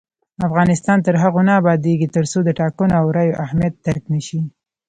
افغانستان تر هغو نه ابادیږي، ترڅو د ټاکنو او رایې اهمیت درک نشي.